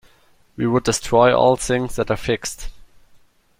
He would destroy all things that are fixed.